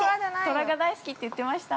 ◆トラが大好きって言ってました。